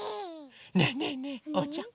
ねえねえねえおうちゃん。